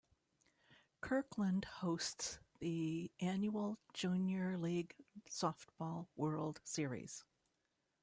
Kirkland hosts the annual Junior League Softball World Series.